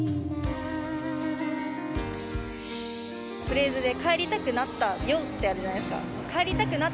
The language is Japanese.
フレーズで「帰りたくなったよ」ってあるじゃないですか